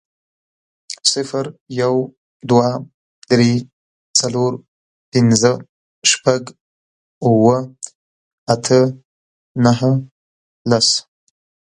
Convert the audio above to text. صفر، يو، دوه، درې، څلور، پنځه، شپږ، اووه، اته، نهه، لس